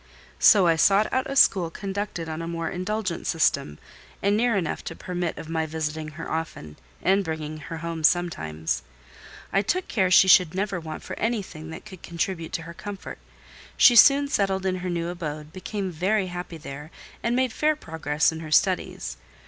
So I sought out a school conducted on a more indulgent system, and near enough to permit of my visiting her often, and bringing her home sometimes. I took care she should never want for anything that could contribute to her comfort: she soon settled in her new abode, became very happy there, and made fair progress in her studies.